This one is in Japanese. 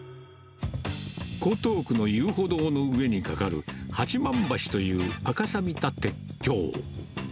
江東区の遊歩道の上に架かる、八幡橋という赤さびた鉄橋。